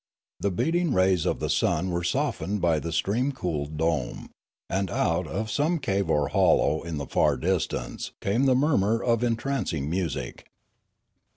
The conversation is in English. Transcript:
The beating rays of the sun were softened by the stream cooled dome; and out of some cave or hollow in the far distance came the murmur of entrancing music.